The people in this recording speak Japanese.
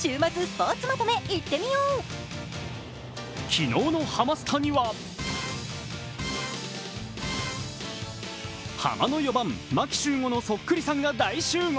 昨日のハマスタにはハマの４番・牧秀悟さんのそっくりさんが大集合。